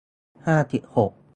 ห้าสิบหก